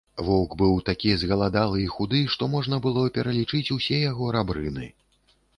Воўк быў такі згаладалы і худы, што можна было пералічыць усе яго рабрыны.